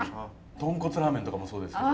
豚骨ラーメンとかもそうですけど。